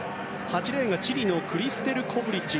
８レーンがチリのクリステル・コブリッチ。